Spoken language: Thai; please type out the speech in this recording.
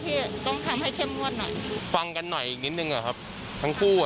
เตรียมความพร้อมก็คือก่อนอื่นก็คือ